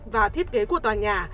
và thiết kế của tòa nhà